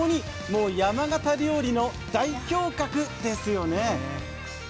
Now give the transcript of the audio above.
もう山形料理の代表格ですよね。